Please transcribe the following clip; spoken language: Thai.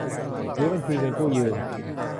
หรือบัญชีเงินกู้ยืม